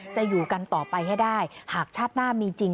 อยู่กันต่อไปให้ได้หากชาติหน้ามีจริง